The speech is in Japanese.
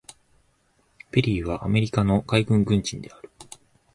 ペリーはアメリカの海軍軍人である。